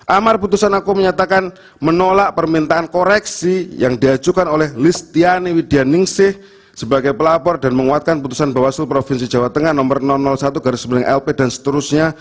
amar putusan aku menyatakan menolak permintaan koreksi yang diajukan oleh listiani widyaningsih sebagai pelapor dan menguatkan putusan bawaslu provinsi jawa tengah nomor satu garis sembilan lp dan seterusnya